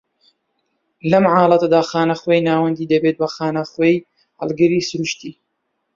لەم حاڵەتەدا، خانە خوێی ناوەندی دەبێت بە خانی خوێی هەڵگری سروشتی